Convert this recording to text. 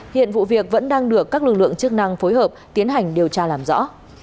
hiện vụ việc vẫn đang được các lực lượng chức năng phối hợp tiến hành điều tra làm rõ